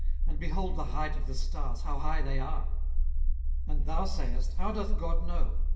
and behold the height of the stars, how high they are! 18:022:013 And thou sayest, How doth God know?